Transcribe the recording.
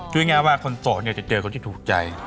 พูดง่ายว่าคนโสดเนี่ยจะเจอคนที่ถูกใจ